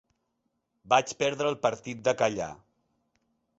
Vaig prendre el partit de callar.